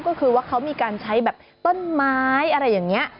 ก็คือว่าเขามีการใช้แบบต้นไม้อะไรอย่างนี้